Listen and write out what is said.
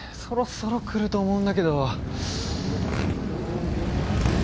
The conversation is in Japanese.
そろそろ来ると思うんだけど。